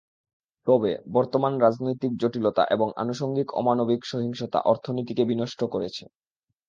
তবে, বর্তমান রাজনৈতিক জটিলতা এবং আনুষঙ্গিক অমানবিক সহিংসতা অর্থনীতিকে বিনষ্ট করছে।